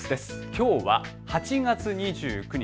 きょうは８月２９日。